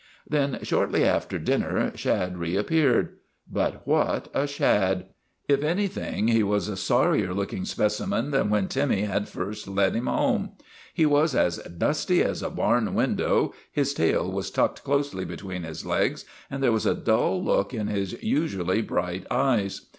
Then, shortly after dinner, Shad reappeared. But what a Shad! If anything, he was a sorrier looking specimen than when Timmy had first led him home. He was as dusty as a barn window, his tail was tucked closely between his legs, and there was a dull look in his usually bright eyes.